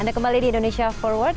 anda kembali di indonesia for one